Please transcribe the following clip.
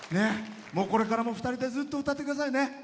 これからも２人でずっと歌ってくださいね。